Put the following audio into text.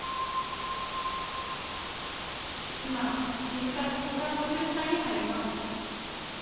今、飯塚被告が東京地裁に入ります。